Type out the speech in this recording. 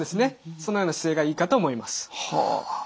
そのような姿勢がいいかと思います。